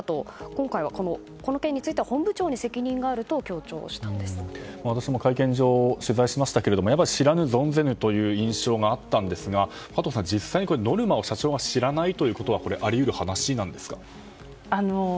今回はこの件については本部長に責任があると私も会見場を取材しましたけれども知らぬ存ぜぬという印象があったんですが加藤さん、実際に社長がノルマを知らないということはあり得る話なんですか？